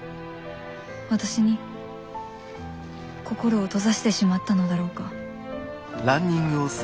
私に心を閉ざしてしまったのだろうか？